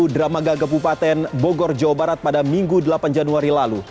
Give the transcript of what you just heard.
dramaga kepupaten bogor jawa barat pada minggu delapan januari lalu